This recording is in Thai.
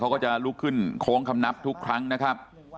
เขาก็จะลุกขึ้นโค้งคำนับทุกครั้งนะครับ